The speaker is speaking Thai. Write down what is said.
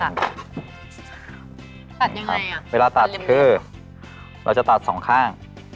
ตัดยังไงอ่ะเวลาตัดคือเราจะตัดสองข้าง